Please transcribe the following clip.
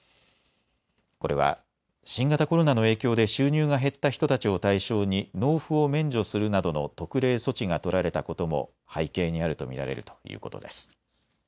これは新型コロナの影響で収入が減った人たちを対象に納付を免除するなどの特例措置が取られたことも背景にあると見られるということです。